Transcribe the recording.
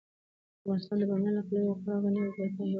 افغانستان د بامیان له پلوه یو خورا غني او بډایه هیواد دی.